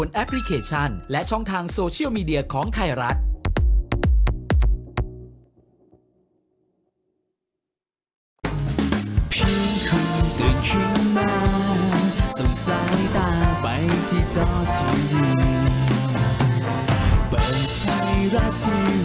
ทางโซเชียลมีเดียของไทยรัฐ